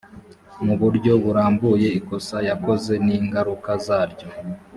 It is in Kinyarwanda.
mu buryo burambuye ikosa yakoze n ingaruka zaryo